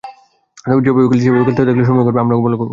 তবে যেভাবে খেলছি, এভাবে খেলতে থাকলে সবাই সমীহ করবে, আমরাও ভালো করব।